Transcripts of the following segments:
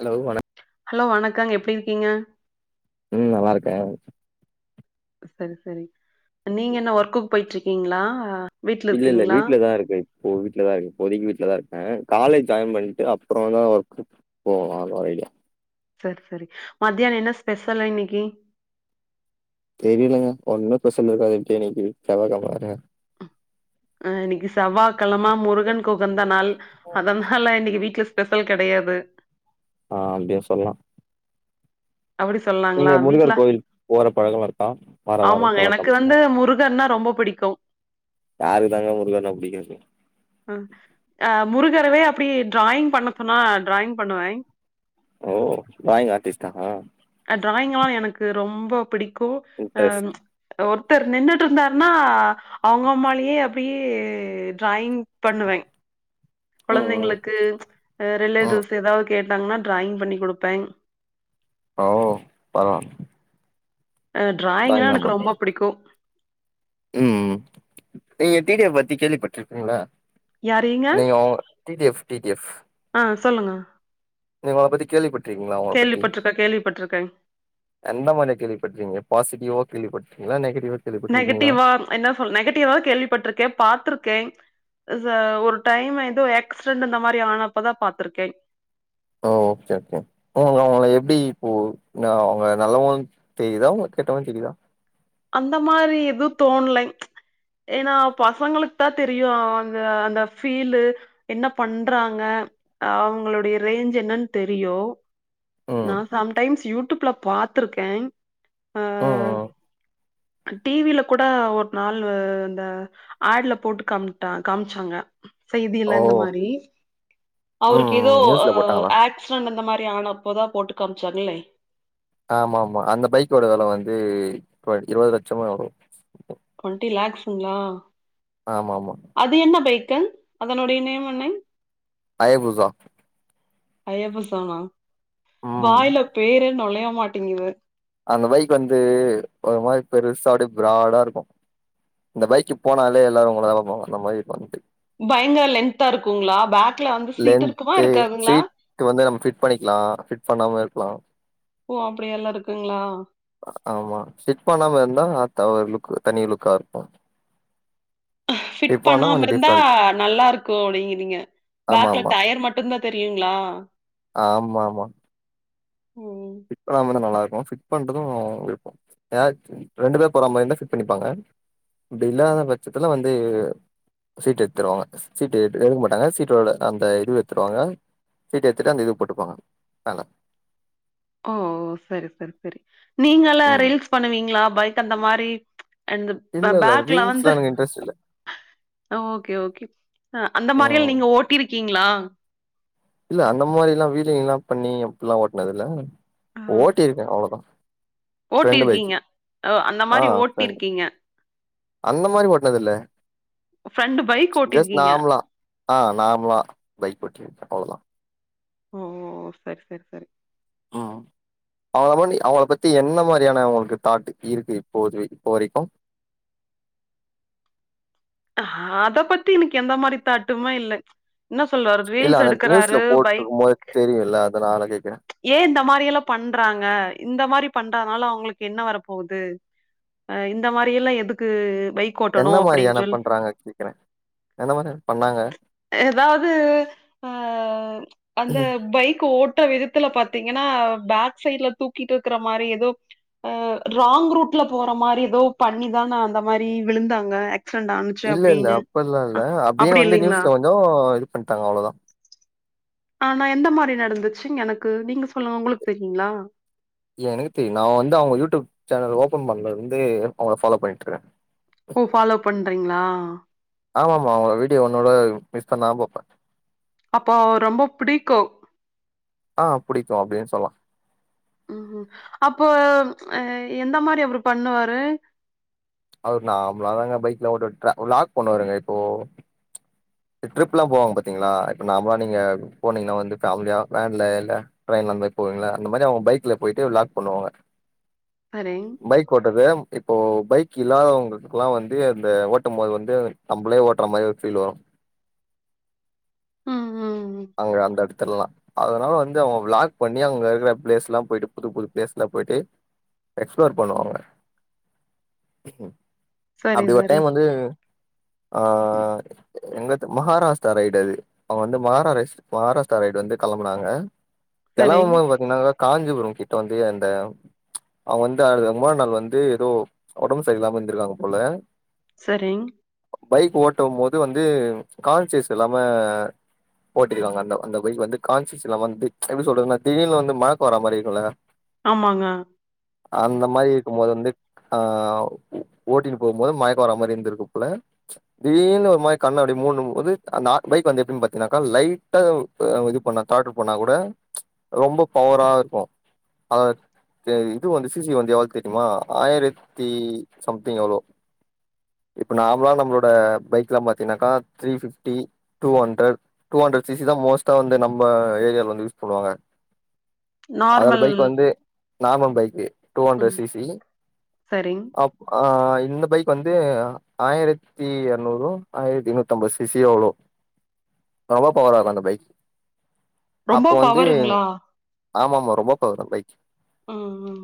Hello வணக் hello வணக்கங் எப்டி இருக்கிங்க ம் நல்லாருக்கே சரி சரி நீங்க என்ன ஒர்க்குக்கு போய்ட்ருக்கிங்ளா இல்ல இல்ல வீட்லதா இருக்கே இப்போ வீட்ல தா இருக்கே இப்போதைக்கு வீட்ல தா இருக்கே காலேஜ் ஜாய்ன் பண்ட்டு அப்பறோ தா ஒர்க்கு போகணு அந்த வெயிட் கே செரி செரி மத்தியான என்ன ஸ்பெஷலா இன்னிக்கி தெரியலங்க ஒன்னு ஸ்பெசல் இருக்காதுட்ட இன்னிக்கி செவ்வாகெழமதான அ இன்னைக்கு செவ்வா கெழம முருகன்கு உகந்த நாள் அதனால இன்னிக்கி வீட்ல ஸ்பெசல் கெடையாது ஆ அப்டியு சொல்லா அப்டி சொல்லாங்களா வீட்ல கோயில் போற பழக்கலா இருக்கா வார வாரோ ஆமாங்க எனக்கு செவ்வாகெழம வந்து செவ்வா முருகன்னா ரொம்ப ரொம்ப பிடிக்கோ யாருக்கு தாங்க முருகன்ன புடிக்காது அ அ முருகரவே அப்டியே ட்ராயிங் பண்ண சொன்னா ட்ராயிங் பண்ணுவே ஓ ட்ராயிங் ஆர்ட்டிஸ்டா வா எனக்கு ரொம்ப பிடிக்கு ஆ இன்ட்ரெஸ்ட் ஒருத்தர் நின்னுட்டு இருந்தாருன்னா அவுங்க அம்மாலயே அப்டியே ட்ராயிங் பண்ணுவே ம் ம் கொழந்தைங்ளுக்கு ம் ரிலேட்டிவ்ஸ் எதாவ்து கே ட்டாங்கனா ட்ராயிங் பண்ணி குடுப்பேங் ஓ பரவால ட்ராயிங்னா எனக்கு ரொம்ப பிடிக்கு ம் நீங்க டீ டி ய பத்தி கேள்விப்பட்டிருக்கீங்ளா யார் நீங்க? நீங் ஓ T T F T T F ஆ சொல்லுங்க நீங்க அவுங்கள பத்தி கேள்விப்பட்ருக்கீங்ளா அவுங்கள பத்தி கேள்விப்பட்டுருக்கேன், கேள்விப்பட்டுருக்கேன். எந்த மாரி கேள்விப்பட்டிருக்கிங்க பாசிட்டிவா கேள்விப்பட்டிருக்கிங்ளா நெகடிவ்வா நெகட்டிவா என்ன சொல் நெகட்டிவாதா கேள்விப்பட்டிருக்கே பாத்துருக்கே சா ஒரு டைம் எதோ ஆக்சிடென்ட்ற மாரி ஆனப்பதா பாத்துருக்கே ஓ ஓகே ஓகே உங்களுக்கு அவங்கள எப்டி இப்போ நா அவ்ங்க நல்லவன்னு தெரியுதா உங்க கெட்டவனு தெரியுதா அந்த மாரி எதுவு தோண்லை ஏன்னா பசங்களுக்கு தா தெரியு அவங்க அந்த ஃபீல்லு என்ன பண்றாங்க க அவுங்களுடைய ரேஞ்ச் என்னனு தெரியு ம் நா சம்டைம்ஸ் யூடுப்ல பாத்துருக்கேன் ஆ ம் ம் டீ வி ல கூட ஒரு நாள் அந்த ஆட் ல போட்டு காம்ட்டா காம்ச்சாங்க ஓ செய்தியில இந்த மாரி ம் அவருக்கு ம் எதோ நியூஸ்ல போட்டாங்களா ஆக்சிடன்ட் அந்த மாரி ரி ஆனப்போதா போட்டு காம்ச்சாங்ளே ஆமாமா அந்த பைக்கோட வெல வந்து இரு இருவது லெட்சமாே எனவோ வரு ங்களா ஆமாமா தென் அதனுடைய நேம் என்ன அயபூசோ அயப்ப சாமா ம் வாய்ல பேரே நொழைய மாட்டேங்குது அந்த பைக் வந்து ஒரு மாரி பெருசா அப்டியே ப்ராடா இருக்கு இந்த பைக்கு போனாலே எல்லாரு உங்களதா பாப்பாங்க அந்த மாரி இருக்கோ வந்ட்டு பயங்கர லென்தா இருக்குங்ளா பேக் லென்து சீட்டு வந்து நம்ம ஃபிட் பண்ணிக்கலா ஃபிட் பண்ணாமயோ இருக்கலா ஓ அப்டியெல்லா ஆமா ஃபிட் பண்ணாம இருந்தா தவறு லுக்கு தனி லுக்கா இருக்கு ஃபிட் ஸ்டிச் பண்ணா பண்ணாம கொஞ்சோ இருந்தா டிஃப்ரெண்ட் நல்லா இருக்கு அப்டிங்கிறீங்க ஆமா பேக்ல ஆமா டயர் மட்டுந்தா தெரியுங்ளா ஆமா ஆமா ஃபிட் பண்ணாமந்தா நல்லார் கூ ஃபிட் பண்றதூ இர்க்கூ ஏட் ரெண்டு பேர் போற மாரி இந்தா ஃபிட் பண்ணிப்பாங்க அப்டில்லாத பட்சத்துல வந்து சீட்டு எத்துருவாங்க சீட்டு எ எடுக்க மாட்டாங்க சீட்டோட அந்த இது எத்துருவாங்க சீட்டி எத்துட்டு அந்த இது போட்டுப்பாங்க மேல ஓ செரி செரி செரி நீங்கல்லா ம் ரீல்ஸ் பண்ணுவீங்ளா பைக் அந்த மாரி அந்துப் இல்ல இல்ல பேக்ல வந்து ரீல்ஸ்லா எனக்கு இன்ட்ரெஸ்ட் இல்ல அ ஓகே ஓகே அ அந்த மாரியெல் ம் நீங்க ஓட்டிருக்கீங்களா இல்ல அந்த மாரிலா வீலிங்லா பண்ணி அப்ட்லா ஓட்னதில்ல ஓட்டிருக்கே அவ்ளதா ஓட்டிருக்கீங்க அ அந்த ஆ மாரி ஃப்ரெண்டு ஓட்டிருக்கீங்க அந்த மாரி ஓட்னதில்ல ஃபண்டு பைக் ஓட்டிருக்கீங்க ஆ நார்மலா பைக் ஓட்டிருக்கே அவ்ளதா ஓ செர் செர் செரி ம் அவங்கமோனி அவுங்கள பத்தி என்ன மாரியான அவுங்களுக்கு தாட் இருக்கு இப்போது இப்போ வரைக்கூ [inaudible] ஹ அத பத்தி இன்க்கு எந்த மாரி தாட்டுமே இல்ல என்னா சொல்லுவாரு இல்ல ரீல்ஸ் அந்த நியூஸ்ல எடுக்குறாரு பைக் போட்ருக்கும் போது தெரியுல்ல அதனால கேக்குறே ஏ இந்த மாரியெல்லா பண்றாங்க இந்த மாரிப் பண்றானால அவுங்களுக்கு என்ன வரப்போகுது அ இந்த மாரி எல்லா எதுக்கு பைக் ஓட்டணூ அப்டின் சொல் வாங்க கேக்குறே எந்த மாரி பண்ணாங்க ஏதாவ்து அ அந்த பைக் ஓட் ட்ற விதத்துல பாத்தீங்கனா பேக் சைட்ல தூக்கிட்டு இருக்கிற மாரி எதோ அ ராங் ரூட் ல போற மாரி எதோ பண்ணிதான அந்த மாரி விழுந்தாங்க ஆக்சிடெண்ட்டா இல்லல்ல அப்பெல்லா இல்ல அப்டியே வந்து இல்லைங்களா? நியூஸ்ல கொஞ்சோ இது பண்ட்டாங்க அவ்ளதா ஆனா எந்த மாரி நடந்துச்சு எனக்கு நீங்க சொல்லுங்க உங்களுக் தெரியுங்களா ஏ எனக்கு தெரியு நா வந்து அவுங்க யூடியூப் சேனல் ஓபன் பண்ணருந்து அவுங்ள ஃபாலோ பண்ணிட்ருக்கே ஓ ஃபாலோ பண்றீங்களா ஆமாமா அவுங்க வீடியோ ஒன்னுகூட மிஸ் பண்ணாம் பாப்பே அப்ப ரொம்ப பிடிக்கூ ஆ புடிக்கூ அப்டின் சொல்லா ம் ம் அப்போ அ எந்த மாரி அவரு பண்ணுவாரு அவரு நாம்லாதாங்க பைக்லா ஓட்டுட்ற வ்லாக் பண்ணுவாருங்க இப்போ ட்ரிப்லா போவாங்க பாத்தீங்ளா இப்ப நாம்லா நீங்க போனீங்கனா வந்து ஃபேம்லியா வேன்ல இல்ல ல அந் மாரி போவீங்ல அந்த மாரி அவுங்க பைக்ல போயிட்டு வ்லாக் பண்ணுவாங்க சரிங் பைக் ஓட்டற்து இப்போ பைக் கிலாதவங்களுக்லா வந்து அந்த ஓட்டும் போது வந்து நம்மளே ஓட்ற மாரி ஃபீல் வரு [inaudible] ம் ம் அவுங்க அந்தடு தெர்லா அதனால வந்து அவங்க வ்ளாக் பண்ணி அவுங்க இருக்கிற பிளேஸ்லா போயிட்டு புது புது பிளேஸ்லா போயிட்டு எக்ஸ்ப்ளோர் பண்ணுவாங்க சரி அப்டி ஒரு சரி டைம் வந்து ஆ எங்க தெம மகாராஷ்டா ரைடு அது அவங்க வந்து மகாராரை மகாராஷ்டா ரைடு வந்து கெளம்புனாங்க சரிங் கெளம்பும்போது பாத்தீங்னா காஞ்சிபுரம் கிட்ட வந்து அந்த அவுங்க வந்து அடுத்த மூணா நாள் வந்து எதோ ஒடம்பு சரியில்லாம இருந்திருக்காங் போல சரிங் பைக் ஓட்டும் போது வந்து கான்சியஸ் இல்லாம ஓட்டிக்கிறாங்க அந்த அந்த போய் வந்து கான்ஷிஸ் இல்லாம வந்து எப்டி சொல்றதுன்னா தீடீர்னு வந்து மயக்கோ வர மாரி இருக்குல்ல ஆமாங்க அந்த மாரி இருக்கும் போது வந்து ஆ ஓட்டின்னு போம் போது மயக்கோ வர மாரி இருந்திருக்கு போல தீடீர்னு ஒரு மாரி கண்ணு அப்டி மூடும் போது அந்த ஆ பைக் வந்து எப்டின் பாத்தீங்னா லைட்டா இது பண்ண காடர் பண்ணா கூட ரொம்ப பவரா இருக்கு அதா தே இது வந்து சி சி வந்து எவ்ளோ தெரிமா ஆயிரத்தி சம்திங் எவ்ளோ இப்ப நார்மலா நம்ளோட பைக்லா பாத்தீங்கன்னாக்கா three fifty two hundred two hundred C C தா மோஸ்ட்டா வந்து நம்ம ஏரியால வந்து யூஸ் பண்ணுவாங்க அதோட நார்மல் பைக் வந்து நார்மல் பைக்கி டூ ஹண்ட்ரட் ம் சி சி சரிங் அப் ஆய் இந்த பைக் வந்து ஆயிரத்தி எறநூறோ ஆயிரத்தி நூத்தம்பது சி சி எவ்ளோ பவா பவர்ரா இருக்கு அந்த பைக்கு ரொம்ப பவருங்ளா ஆமாமா ரொம்ப பவரு அந்த பைக்கி ம் ம்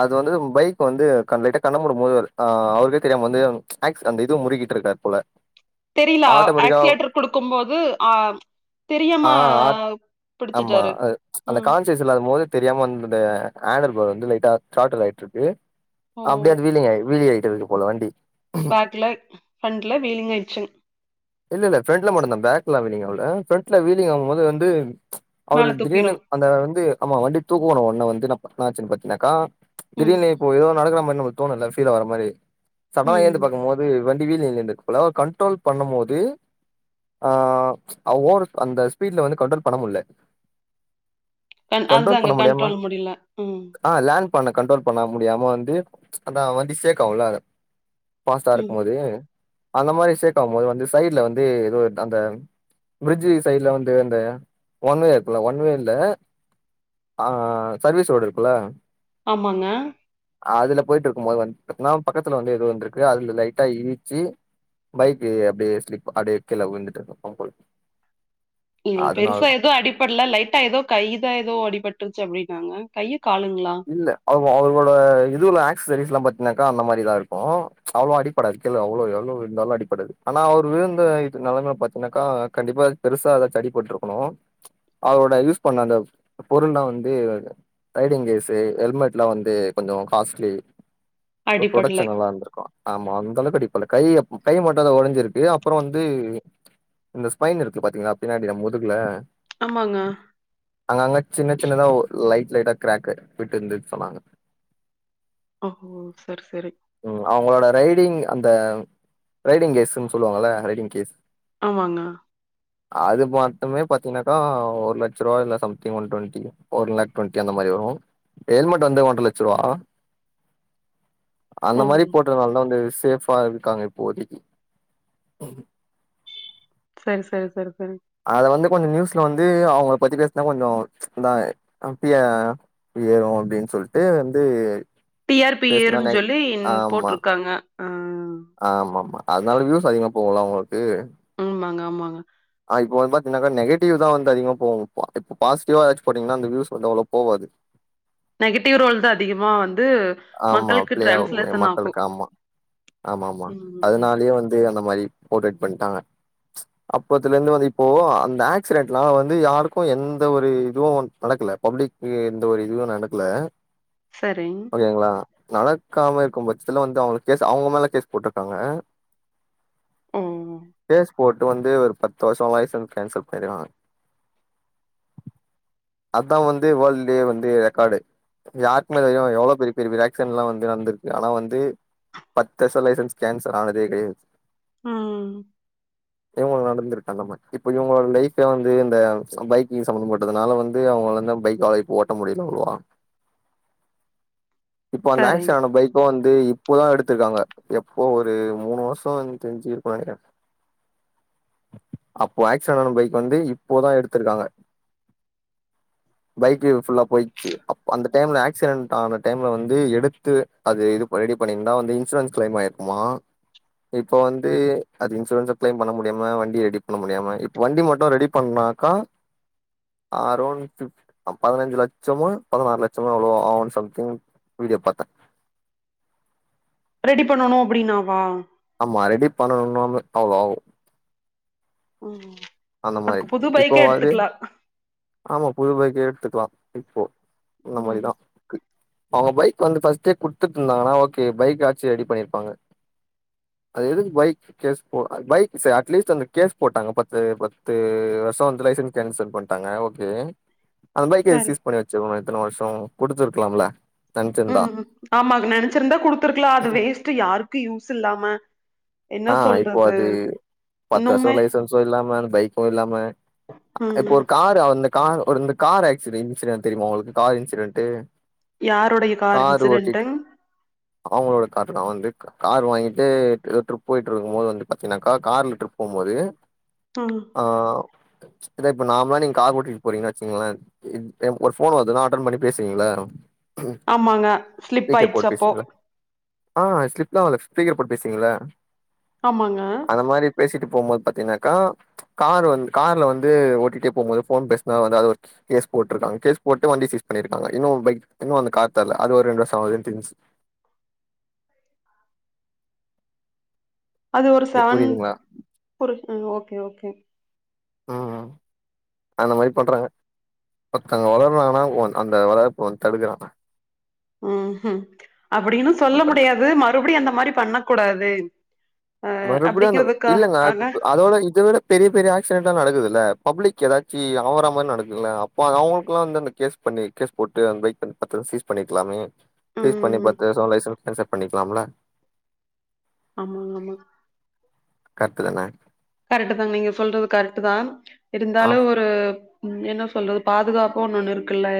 அது வந்து பைக் வந்து கண் லைட்டா கண்ண மூடும் போது ஆ அவருக்கே தெரியாம வந்து ஆக்ஸ் அந்த இது முறிக்கீட்டு இருக்கா போல தெரிலா ஆட்டோமேட்டிக்கா ஆக்ஸிலேட்டரு குடுக்கும் போது ஆ தெரியாம ஆ ஆட் ஆமா பிடிச்சிட்டாரு அந்த ம் கான்சியஸ் இல்லாத மோது தெரியாம வந்த ஹண்டர் போடு வந்து லைட்டா கார்டர் ஆயிட்டுருக்கு ஓ அப்டியே அது வீலிங் ஆய் வீலிங் இருக்கு போல வண்டி பேக்ல ஃரண்ட்ல வீலிங்க் ஆயிடுச்சுங் இல்ல இல்ல ஃப்ரெண்ட்ல மட்டுதா பேக்ல வீலிங் ஆவுல ஃப்ரெண்ட்ல வீலி்ங் ஆவுமோது வந்து அவுரு மேல திடீர்னு தூக்கிரு அந்த வந்து ஆமா வண்டி தூக்குவோன்ன ஒன்ன வந்து நா என்னாச்சினு பாத்தீனாக்கா ம் திடீர்னு இப்போ ஏதோ நடக்குற மாரி நம்மளுக்கு தோணுல ஃபீல் ஆவற மாரி சட்னாதா ம் ஏழ்ந்து பாக்குமோது வண் வீல் இல்லெண்டு இப்பலா கண்ட்ரோல் பண்ணுமோது ஆ ஓவரு அந்த ஸ்பீட்ல வந்து கண்ட்ரோல் பண்ண முட்ல கண் கண்ட்ரோல் அதுதாங்க பண்ண முடியாம கண்ட்ரோல் முடில ம் ஆ லேண் பண்ண கண்ட்ரோல் பண்ண முடியாம வந்து அதா வண்டி சேக்காவுல்ல அத பாஸ்டா ம் இருக்குமோது அந்த மாரி சேக்காவும் போது வந்து சைட்ல வந்து ஏதோ அந்த ப்ரிட்ஜீ சைட்ல வந்து அந்த ஒன்வே இருக்குல ஒன்வேல்ல ஆ சர்வீஸ் ரோடு இருக்குல்ல ஆமாங்க அதுல போய்ட் இருக்கும் போது வந் என்னா பக்கத்துல வந்து எதுவு இருந்துருக்கு அதுல லைட்டா இடிச்சி பைக்கு அப்டியே ஸ்லிப் அப்டியே கீழ உழுந்துட் ம் பெருசா அதனாலதா எதுவு அடிப்பட்ல லைட்டா ஏதோ கையுதா ஏதோ அடிபட்டுருச்சி அப்டின்னாங்க கைய இல்ல அவுங்க அவங்களோட இதுலா ஆக்ஸ்சரிஸ்ல்லா பாத் னாக்கா அந்த மாரிதா இருக்கு அவ்ளோ அடிப்படாது கீழ அவ்ளோ எவ்ளோ விழுந்தாலு அடிப்படாது ஆனா அவரு விழுந்த இது நெலமைய பாத்தீன்னாக்கா கண்டிப்பா பெருசா எதாச்சு அடி பட்டுருக்கணு அவுரோட யூஸ் பண்ண அந்த பொருள்ல்லா வந்து ரைடிங் கேஸ் ஹெல்மெட்லா வந்து கொஞ்சோ காஸ்ட்லி ப்ரோ அடிபடலை ப்ரொடெக்க்ஷன் நல்லா இருந்திருக்கு ஆமா அந்த அளவுக்கு அடிப்படல கைய கை மட்டுதா ஒடஞ்சிருக்கு அப்பறோ வந்து இந்த ஸ்பைன் இருக்கு பாத்தீங்ளா பின்னாடி நம் முதுகுல ஆமாங்க அங்க அங்க சின்ன சின்னதா ஒ லைட் லைட்டா க்ராக்கு விட்டு இருந்து சொன்னாங்க ஓ சரி சரி ம் அவுங்ளோட ரைடிங் அந்த ரைடிங் கேஸூன்னு சொல்லுவாங்கல்ல ரைடிங் கேஸ் ஆமாங்க அது மட்டுமே பாத்தீன்னாக்கா ஒரு லட்சம் ரூபா இல்ல something one twenty four lakh twenty அந்த மாறி தோ ஹெல்மெட் வந்து ஒன்றே லெட்ச ரூவா அந்த ஓ மாரி போட்டனாலதா வந்து ஸ் சேஃப்பா இருக்காங்க இப்போதைக்கு செரி செரி செரி செரி அத வந்து கொஞ்சோ நியூஸ்ல வந்து அவங்க பத்தி பேசினா கொஞ்சோ இதா அப்டியா ஏறு அப்டின்னு சொல்ட்டு வந்து டி ஆர் பி பேசுனா நெ ஏருன்னு சொல்லி போட்டிருக்காங்க ஆமா ஆமா அதனால வியூஸ் அதிகமா போவுல்லா அவங்களுக்கு ம் ஆமாங்க ஆமாங்க இப்ப வந்து பாத்தீங்கன்னாக்கா நெகட்டிவ்தா வந்து அதிகமா போவு இப்போ பாசிட்டவா ஏதாச்சு போட்டீங்கன்னா அந்த வியூஸ் வந்து அவ்வளோ போவாது நெகட்டிவ் ரோல் தா அதிகமா வந்து ஆமா மக்களுக்கு ப்ளே ஆகுமே டிரான்ஸ்லேசன் ஆகு மக்களுக்கு ஆமா ஆமமா ம் அதனாலயே வந்து அந்த மாறி போர்ட்ரேட் பண்ணிட்டாங்க ச் அப்பதுலருந்து வந்து இப்போ அந்த ஆக்சிடென்ட்னால வந்து யாருக்கு எந்த ஒரு இதுவு பல க்கல பப்ளிக் எந்த ஒரு இதுவு நடக்கல சரிங் ஓகேங்களா நடக்காம இருக்கு பட்சத்துல வந்து அவங்களுக்கு கேஸ் அவங்க மேல கேஸ் போட்டிருக்காங்க ஓ கேஸ் போட்டு வந்து ஒரு பத்து வருஷோ லைசன்ஸ் கேன்சல் பண்ணிருவாங்க அதா வந்து வேல்ட்லியே வந்து ரெக்கார்டு யாருக்குமே வ எவ்ளோ பெரிய பெரிய ஆக்சிடென்ட் எல்லா வந்து நடந்திருக்கு ஆனா வந்து பத் பெருசா லைசன்ஸ் கேன்சல் ஆனதே இல்லயே ம் இவங்கள நடந்திருக்கு அந்த மாறி இப்ப இவங்களோட லைஃப்பே வந்து இந்த பைக்கிங் சம்பந்தப்பட்டதுனால வந்து அவங்களாலந்தா பைக்லா ஓட்ட முடியல அவ்ளவா இப்ப அந்த சரிங் ஆக்சென்ட் ஆன பைக்கு வந்து இப்பதா எடுத்திருக்காங்க எப்போ ஒரு மூணு வருஷோ எனக் தெரிஞ்சு இருக்குனு நெனைக்கறே அப்போ ஆக்சென்ட் ஆன பைக் வந்து இப்போதா எடுத்திருக்காங்க பைக்கு ஃபுல்லா போயிச்சு அந்த டைம்ல ஆக்சிடென்ட் ஆன டைம்ல வந்து எடுத்து அது இது பண்ணி ரெடி பண்ணிருந்தா வந்து இன்சூரன்ஸ் க்ளைம் ஆயிருக்குமா இப்ப வந்து அது இன்சூரன்ஸ் க்ளைம் பண்ண முடியாம வண்டி ரெடி பண்ண முடியாம இப்ப வண்டி மட்டு ரெடி பண்ணா ஆக்கா அரௌண்ட் ஃப்ட் பதினஞ்சு லட்சமோ பதினாறு லட்சமோ எவ்வளோ சம்திங் வீடியோ பாத்தே ரெடி பண்ணனு அப்டின்னாவா ஆமா ரெடி பண்ணணும்னாவே அவ்ளோ ஆவு ம் அந்த மாரி அதுக்கு புது இப்போ பைக்கே வரு எடுத்துக்கலா ஆமா புது பைக்கே எடுத்துக்கலா இப்போ அந்த ம் மாறிதா இருக்கு அவங்க பைக் வந்து ஃபர்ஸ்ட்டே குத்துட்டு இருந்தாங்கன்னா ஓகே பைக் ஆச்சு ரெடி பண்ணிருப்பாங்க அது எதுக்கு பைக் கேஸ் போ அந் பைக் சே அட்லீஸ்ட் கேஸ் போட்டாங்க‌ பட் பத்து பத்து வருஷோ வந்து லைசன்ஸ் கேன்சல் பண்ணிட்டாங்க ஓகே அந்த பைக்க சரி சீஸ் பண்ணி வெச்சிருக்கணு இத்தனை வருஷோ குடுத்துருக்கலாம்ல நெனச்சிருந்தா ம் ம் ஆமாங் நெனைச்சிருந்தா குடுத்துருக்கலா அது வேஸ்ட்ட் யாருக்கு யூஸ் இல்லாம என்ன ஆ இப்போ சொல்றது அது பத்து வருசோ இன்னுமே லைசன்ஸு இல்லாம பைக்கு இல்லாம இப்ப ம் ஒரு கார் அந்த கார் ஆக்சி இன்சிடென்ட் தெரியுமா உங்களுக்கு கார் இன்சிடென்ட்டு யாருடைய கார் காரு ஓட்டிட்ட இன்சிடென்ட்டுங் அவங்களோட கார்லதா வந்திட் கார் வாங்கிட்டு ட்ரிப் போய்ட்டு இருக்கு போது வந்து பாத்தீங்னாக்கா கார்ல ட்ரிப் போ போது ம் ஆ ச் இல்ல இப்ப நார்மலா நீங்க கார் ஓட்டிட்டு போறீங்க வச்சீங்களே ஒரு ஃபோன் வருதுன்னா அட்டென் பண்ணி பேசுவீங்களா ம் ஆமாங்க ஸ்லிப் ஸ்பீக்கர் ஆயிடுச்சு போட் அப்போ பேசுவீங்கள ஆ ஸ்லிப் அவல ஸ்பீக்கர் போட் பேசுவிங்கள ஆமாங்க பேசிட்டு போம்போது பாத்தீங்னாக்கா கார் வந்து கார்ல வந்து ஓட்டிட்டே போம் போது ஃபோன் பேசுனா எதாது ஒரு கேஸ் போட்ருக்காங்க கேஸ் போட்டு வண்டி சீஸ் பண்ணிருக்காங்க இன்னு பைக் இன்னு அந்த கார் தர்ல அது ஒரு ரெண்டு வருஷ ஆவுது எனக் தெரிஞ்சு அது ஒரு இது செவேந்த் புரியுதுங்களா ஒரு ஓகே ஓகே ம் அந்த மாரி பண்றாங்க ஒருத்தங்க வளர்றாங்னா அந்த வளர்ப்பு வந்து தடுக்கறாங்க ம் ம் அப்டின்னு நா சொல்ல பண்றே முடியாது மறுபடியு அந்த மாரி பண்ண கூடாது மறுபடியு அந்த அப்படிங்கறதுக்கா இல்லங்க ஆக அதோட இத விட பெரிய பெரிய ஆக்சிடென்ட்லா நடக்குதுல பப்ளிக் ஏதாச்சு ஆவரா மாரி நடக்குல அப்போ அது அவங்களுக்கெல்லா அந்து அந்த கேஸ் பண்ணி கேஸ் போட்டு அந்த பைக் வந்து பத்து சீஸ் பண்ணியிருக்கலாமே சீஸ் பண்ணி ம் பத்து வருஷோ லைசன்ஸ் கேன்சல் பண்ணியிருக்கலாம்ல ஆமா கரட்டுத்தான கரெட்டு தாங் நீங்க சொல்றது கரெட்டு தா இருந்தாலு ஒரு ம் என்ன சொல்றது பாதுகாப்பு ஒன்னு ஒண்ணு இருக்குல